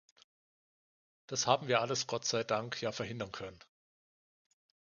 Das haben wir alles Gott sei Dank ja verhindern können.